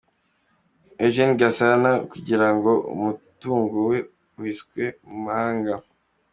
Eugene Gasana kugirango umutungo we uhiswe mu mahanga.